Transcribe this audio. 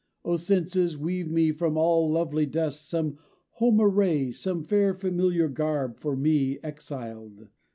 O Senses, weave me from all lovely dust Some home array, some fair familiar garb For me, exiled.